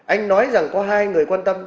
anh nói rằng có hai người quan tâm